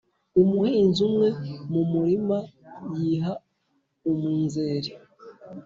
Umuhinzi umwe mu murima yiha umunzeri